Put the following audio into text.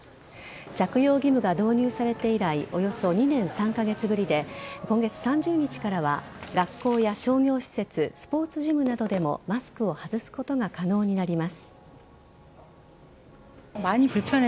着用義務が導入されて以来およそ２年３カ月ぶりで今月３０日からは学校や商業施設スポーツジムなどでもマスクを外すことが可能になります。